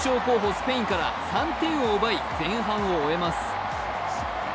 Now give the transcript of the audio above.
スペインから３点を奪い前半を終えます。